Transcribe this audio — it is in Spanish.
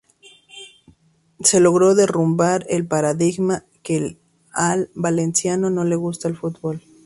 Se logró derrumbar el paradigma que al valenciano no le gusta el fútbol.